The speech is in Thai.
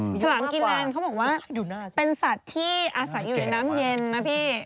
อืมยาวมากกว่าดูหน้าซิเขาบอกว่าเป็นสัตว์ที่อาศัยอยู่ในน้ำเย็นนะพี่